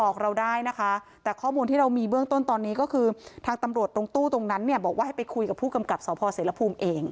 คือทางตำรวจตรงตู้ตรงนั้นเนี่ยบอกว่าให้ไปคุยกับผู้กำกับสศเสรภูมิเอง